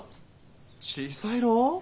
小さいろう？